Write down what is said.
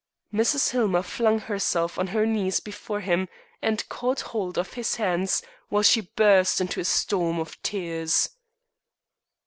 Mrs. Hillmer flung herself on her knees before him and caught hold of his hands, while she burst into a storm of tears.